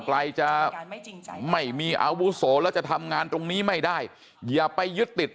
ไกลจะไม่มีอาวุโสแล้วจะทำงานตรงนี้ไม่ได้อย่าไปยึดติด